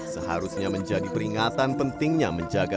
seharusnya menjadi peringatan pentingnya menjaga